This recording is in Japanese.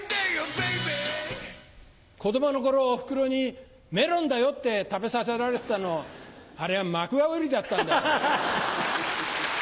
Ｂａｂｙ子供の頃おふくろに「メロンだよ」って食べさせられてたのあれはマクワウリだったんだよ。